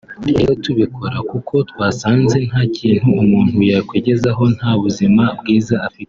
rero tubikora kuko twasanze nta kintu umuntu yakwigezaho nta buzima bwiza afite